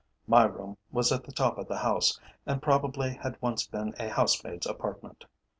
My room was at the top of the house, and probably had once been a housemaid's apartment.